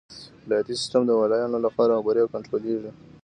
ولایتي سیسټم د والیانو لخوا رهبري او کنټرولیږي.